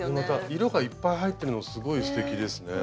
色がいっぱい入ってるのもすごいすてきですね。